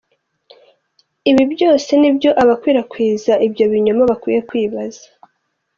Ibi byose nibyo abakwirakwiza ibyo binyoma bakwiye kwibaza.